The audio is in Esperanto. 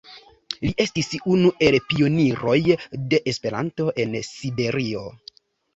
Li estis unu el pioniroj de Esperanto en Siberio.